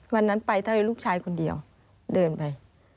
วันนั้นไปถ้ามีลูกชายคนเดียวเดินไป